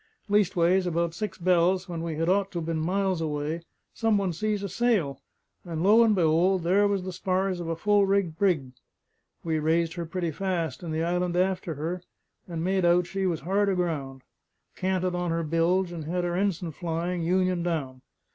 Leastways, about six bells, when we had ought to been miles away, some one sees a sail, and lo and be'old, there was the spars of a full rigged brig! We raised her pretty fast, and the island after her; and made out she was hard aground, canted on her bilge, and had her ens'n flying, union down.